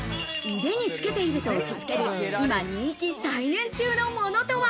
腕につけていると落ち着ける、今人気再燃中のものとは？